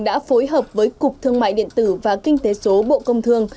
đã phối hợp với cục thương mại điện tử và kinh tế số bộ công thương